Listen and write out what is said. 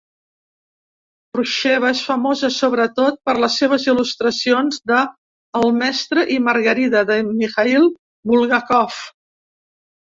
Rusheva és famosa sobretot per les seves il·lustracions d'"El mestre i Margarida", de Mikhail Bulgakov.